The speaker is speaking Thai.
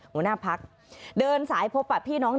หัวหน้าพักเดินสายพบพี่น้อง